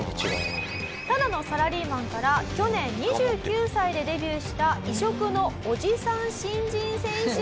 ただのサラリーマンから去年２９歳でデビューした異色のおじさん新人選手。